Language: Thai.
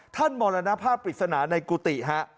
มรณภาพปริศนาในกุฏิฮะ